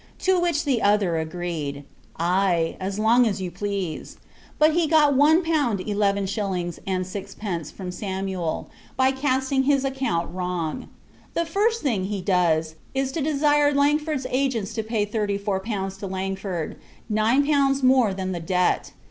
To which the other agreed "Aye, as long as you please." He got one pound eleven shillings and sixpence from Samuel, by casting his account wrong. The first thing he does, is to desire Langford's agents to pay thirty four pounds for Langford, nine pounds more than the debt.